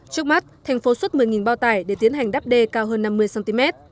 trước mắt thành phố xuất một mươi bao tải để tiến hành đắp đê cao hơn năm mươi cm